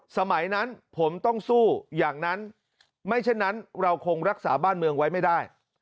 สมัยนั้นผมต้องสู้อย่างนั้นไม่เช่นนั้นเราคงรักษาบ้านเมืองไว้ไม่ได้